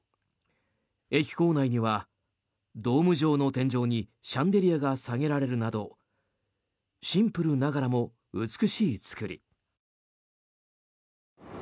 駅構内にはドーム状の天井にシャンデリアが下げられるなどシンプルながらも美しい造り。